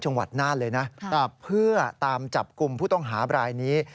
จังหวัดน่านเลยนะเพื่อตามจับกลุ่มผู้ต้องหาบรายนี้